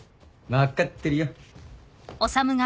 分かってるよ。